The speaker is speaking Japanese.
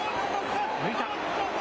抜いた。